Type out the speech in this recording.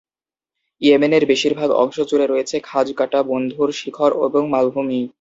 ইয়েমেনের বেশিরভাগ অংশ জুড়ে রয়েছে খাঁজ কাটা বন্ধুর শিখর এবং মালভূমি।